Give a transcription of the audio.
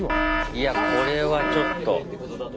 いやこれはちょっと。